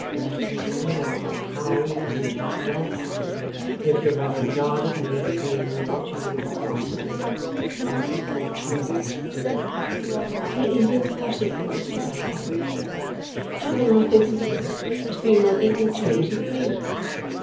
Let me know how you would have dealt with me if you had regarded me as being what you would have considered on equal terms with you.' 'It is impossible, Mr Wrayburn. How can I think of you as being on equal terms with me?